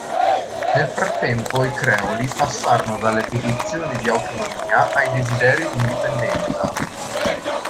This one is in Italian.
Nel frattempo i creoli passarono dalle petizioni di autonomia ai desideri di indipendenza.